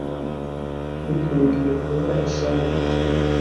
Wikundiye kuba ishyanga